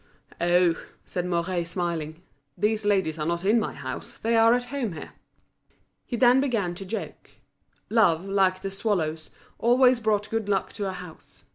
"Oh!" said Mouret, smiling, "these ladies are not in my house, they are at home here." He then began to joke. Love, like the swallows, always brought good luck to a house.